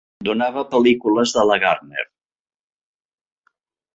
Donava pel·lícules de la Gardner.